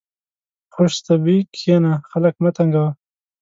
په خوشطبعي کښېنه، خلق مه تنګوه.